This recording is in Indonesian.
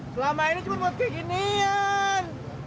selama ini cuma buat keginian